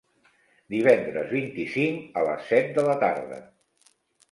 Divendres vint-i-cinc a les set de la tarda.